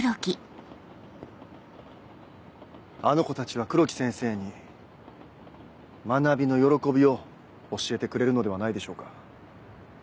あの子たちは黒木先生に学びの喜びを教えてくれるのではないでしょうか。